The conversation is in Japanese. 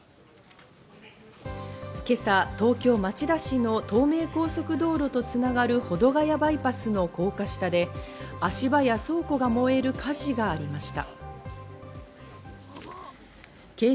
今朝、東京・町田市の東名高速道路とつながる保土ヶ谷バイパスの高架下で足場や倉庫が燃える火事がありました。